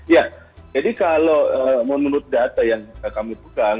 ya jadi kalau menurut data yang kami pegang